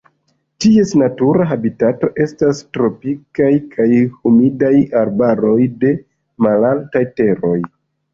Ties natura habitato estas tropikaj humidaj arbaroj de malaltaj teroj.